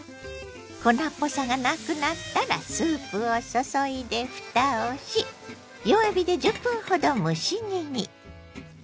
粉っぽさがなくなったらスープを注いでふたをし弱火で１０分ほど蒸し煮に。